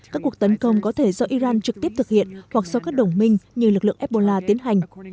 các cuộc tấn công có thể do iran trực tiếp thực hiện hoặc do các đồng minh như lực lượng ebola tiến hành